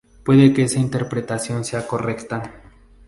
Puede que esa interpretación sea correcta.